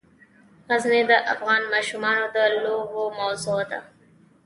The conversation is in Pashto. غزني د افغان ماشومانو د لوبو موضوع ده.